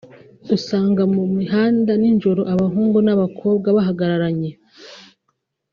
usanga mu mihanda ninjoro abahungu n’abakobwa bahagararanye